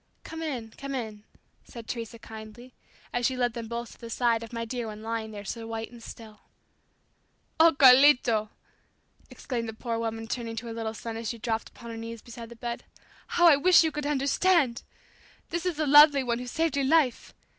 "Come in, come in," said Teresa kindly, as she led them both to the side of my dear one lying there so white and still. "Oh, Carlito," exclaimed the poor woman turning to her little son as she dropped upon her knees beside the bed. "How I wish you could understand! This is that lovely one who saved your life!